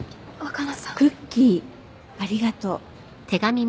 クッキーありがとう。